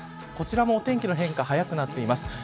こちらもお天気の変化早くなっています。